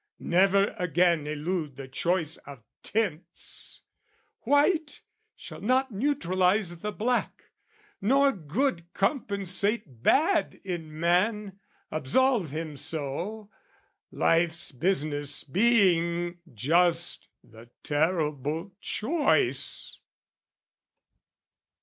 Never again elude the choice of tints! White shall not neutralise the black, nor good Compensate bad in man, absolve him so: Life's business being just the terrible choice.